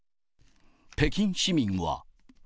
北京市民は。